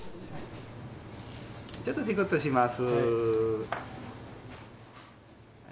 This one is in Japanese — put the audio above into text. ちょっとちくっとします。